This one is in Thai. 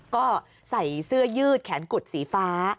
ก็ใส่เสื้อยืดแขนกุดสีฟ้า